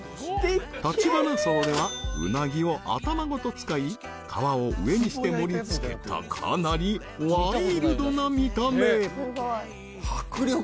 ［立花荘ではうなぎを頭ごと使い皮を上にして盛り付けたかなりワイルドな見た目］